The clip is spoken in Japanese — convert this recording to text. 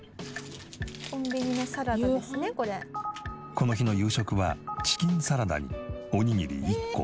この日の夕食はチキンサラダにおにぎり１個。